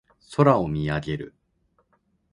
空を見上げる。